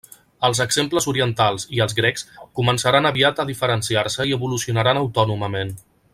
Els exemples orientals i els grecs començaran aviat a diferenciar-se i evolucionaran autònomament.